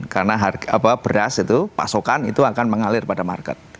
karena beras itu pasokan itu akan mengalir pada market